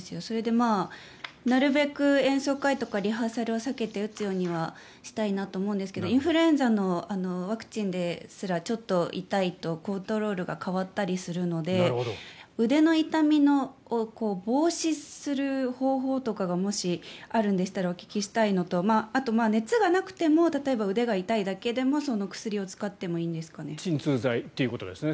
なるべく演奏会とかリハーサルとかを避けて打つようにはしたいなと思うんですけどインフルエンザのワクチンですらちょっと痛いとコントロールが変わったりするので腕の痛みを防止する方法とかがもしあるんでしたらお聞きしたいのとあと、熱がなくても例えば腕が痛いだけでも鎮痛剤ってことですね。